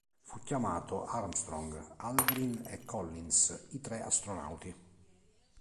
Fu chiamato Armstrong, Aldrin e Collins, i tre astronauti.